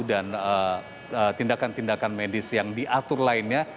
dan tindakan tindakan medis yang diatur lainnya